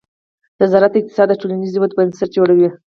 د زراعت اقتصاد د ټولنیزې ودې بنسټ جوړوي.